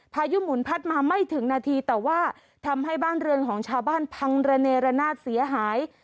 พายุหมุนพัดมาไม่ถึงนาทีแต่ว่าทำให้บ้านเรือนของชาวบ้านพังระเนรนาศเสียหาย